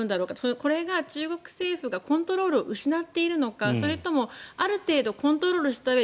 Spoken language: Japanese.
これが中国政府がコントロールを失っているのかそれともある程度コントロールしたうえで。